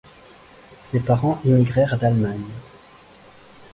Ses parents immigrèrent d'Allemagne.